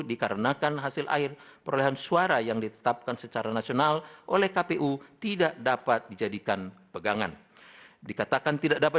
dikarenakan hasil air perolehan suara yang ditetapkan secara nasional oleh kpu tidak dapat dijadikan pegangan